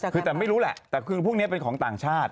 คือแต่ไม่รู้แหละแต่คือพวกนี้เป็นของต่างชาติ